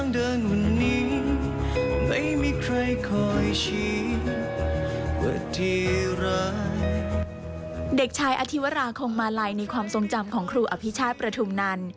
เด็กชายอธิวราคงมาลัยในความทรงจำของครูอภิชาติประทุมนัน